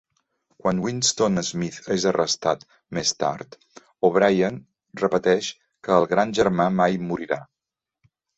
Quan Winston Smith és arrestat més tard, O'Brien repeteix que el Gran Germà mai morirà.